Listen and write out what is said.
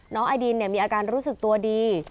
ไอดินมีอาการรู้สึกตัวดี